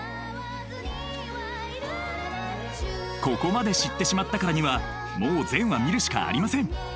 ここまで知ってしまったからにはもう全話見るしかありません。